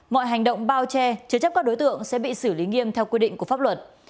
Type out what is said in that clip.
mọi hành động bao che chứa chấp các đối tượng sẽ bị xử lý nghiêm theo quy định của pháp luật